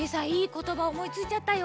ことばおもいついちゃったよ！